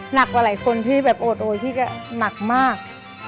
หนักกว่าหลายคนที่แบบโอดโอยพี่ก็หนักมาก